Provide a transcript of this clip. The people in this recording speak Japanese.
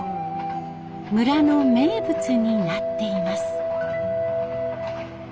村の名物になっています。